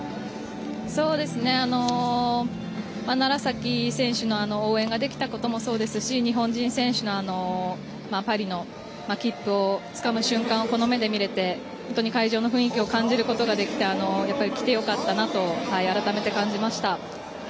楢崎選手の応援ができたこともそうですし日本人選手のパリの切符をつかむ瞬間をこの目で見れて本当に会場の雰囲気を感じることができて来てよかったなと改めて感じました。